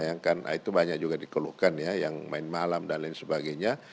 yang kan itu banyak juga dikeluhkan ya yang main malam dan lain sebagainya